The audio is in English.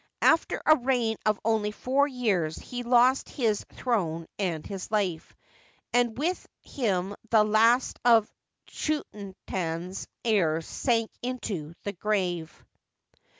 After a reign of only four years he lost his throne and his life, and with him the last of Chuenaten's heirs sank into the grave.